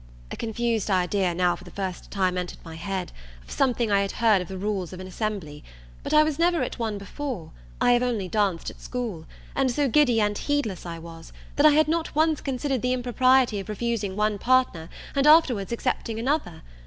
A confused idea now for the first time entered my head, of something I had heard of the rules of an assembly; but I was never at one before, I have only danced at school, and so giddy and heedless I was, that I had not once considered the impropriety of refusing one partner, and afterwards accepting another.